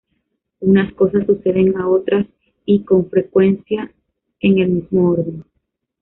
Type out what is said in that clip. Unas cosas suceden a otras, y con frecuencia en el mismo orden.